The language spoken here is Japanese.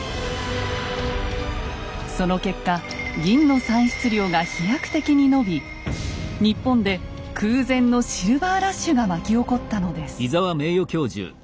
その結果銀の産出量が飛躍的に伸び日本で空前のシルバーラッシュが巻き起こったのです。